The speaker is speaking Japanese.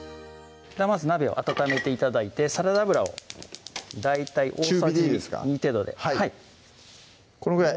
まず鍋を温めて頂いてサラダ油を大体大さじ２程度でこのぐらい？